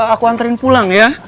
aku anterin pulang ya